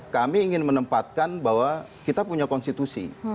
kami ingin menempatkan bahwa kita punya konstitusi